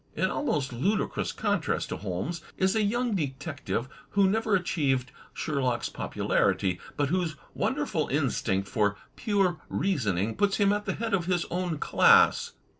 In almost ludicrous contrast to Holmes is a young detective who never achieved Sherlock's popularity, but whose wonder ful instinct for pure reasoning puts him at the head of his own class.